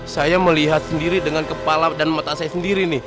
saya melihat sendiri dengan kepala dan mata saya sendiri nih